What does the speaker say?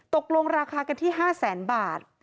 ตกลงราคากันที่๕๐๐๐๐๐บาท